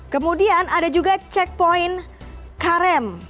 kemudian ada juga checkpoint karam